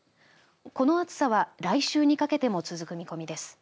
この暑さは来週にかけても続く見込みです。